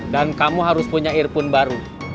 dan kamu harus punya earphone baru